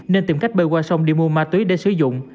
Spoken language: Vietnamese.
nên tìm cách bơi qua sông đi mua ma túy để sử dụng